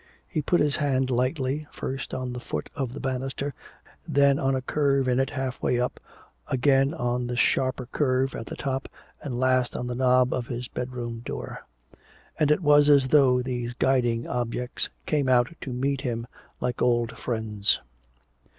He put his hand lightly, first on the foot of the banister, then on a curve in it halfway up, again on the sharper curve at the top and last on the knob of his bedroom door. And it was as though these guiding objects came out to meet him like old friends.